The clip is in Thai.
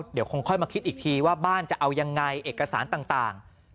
เดี๋ยวคงค่อยมาคิดอีกทีว่าบ้านจะเอายังไงเอกสารต่าง